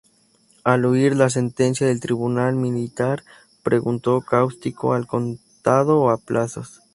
Al oír la sentencia del tribunal militar, preguntó cáustico: "¿Al contado o a plazos?".